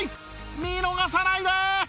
見逃さないで！